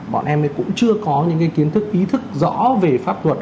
bọn em ấy cũng chưa có những cái kiến thức ý thức rõ về pháp luật